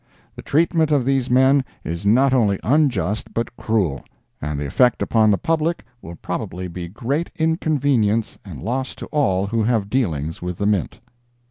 The treatment of these men is not only unjust but cruel, and the effect upon the public will probably be great inconvenience and loss to all who have dealings with the Mint.